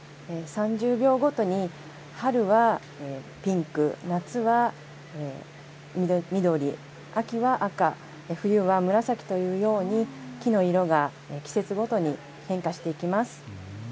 ３０秒ごとに春はピンク、夏は緑、秋は赤、冬は紫というように木の色が季節ごとに変化していきます。